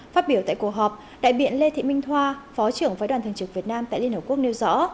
phát biểu tại cuộc họp đại biện lê thị minh thoa phó trưởng với đoàn thường trực việt nam tại liên hợp quốc nêu rõ